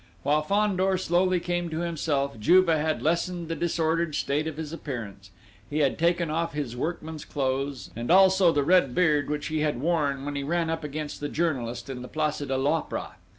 While Fandor slowly came to himself, Juve had lessened the disordered state of his appearance; he had taken off his workman's clothes, and also the red beard which he had worn, when he ran up against the journalist in the place de l'Opéra.